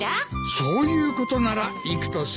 そういうことなら行くとするか。